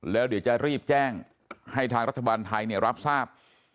แล้วเดี๋ยวจะรีบแจ้งให้ทางรัฐบาลไทยรับทราบ